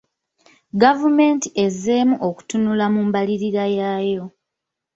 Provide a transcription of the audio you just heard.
Gavumenti ezzeemu okutunula mu mbalirira yaayo.